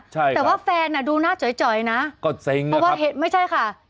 แต่ว่าแฟนดูหน้าจอยนะเพราะว่าเห็นไม่ใช่ค่ะ